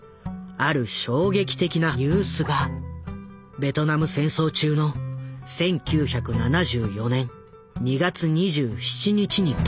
ある衝撃的なニュースがベトナム戦争中の１９７４年２月２７日に届いた。